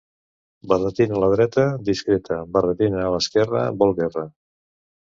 Barretina a la dreta, discreta; barretina a l'esquerra vol guerra.